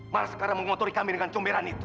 malah sekarang mengotori kami dengan comberan itu